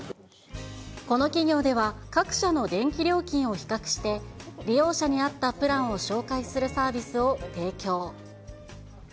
この企業では、各社の電気料金を比較して、利用者に合ったプランを紹介するサービスを提供。